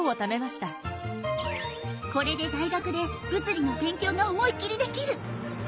これで大学で物理の勉強が思い切りできる！